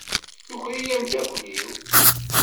Tuker-iyi amdakel-iw!